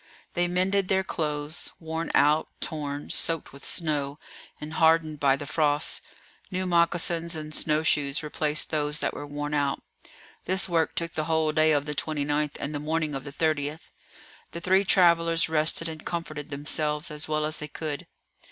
They mended their clothes, worn out, torn, soaked with snow, and hardened by the frost; new moccasins and snow shoes replaced those that were worn out. This work took the whole day of the 29th and the morning of the 30th; the three travellers rested and comforted themselves as well as they could.